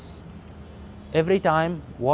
setiap kali perang mulai